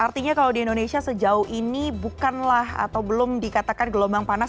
artinya kalau di indonesia sejauh ini bukanlah atau belum dikatakan gelombang panas